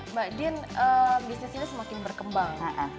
mbak din bisnis ini semakin berkembang